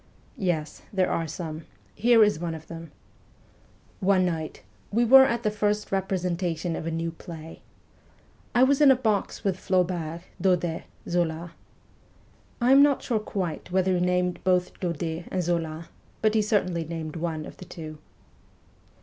' Yes, there are some. Here is one of them. One night, we were at the first representation of a new play. I was in a box with Flaubert, Daudet, Zola. ... (I am not quite sure whether he named both Daudet and Zola, but he certainly named one of the two).